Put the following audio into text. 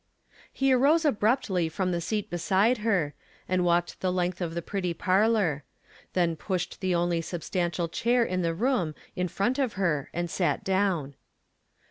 He arose abruptly from the seat beside her, and walked the length of the pretty parlor; then pushed the only substantial chair in the room in front of her, and sat down.